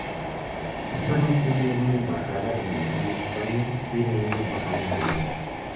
Líbano tiene una embajada en Madrid España tiene una embajada en Beirut.